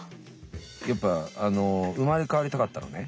やっぱあの生まれ変わりたかったのね。